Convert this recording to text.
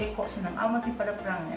eh kok senang amat pada perang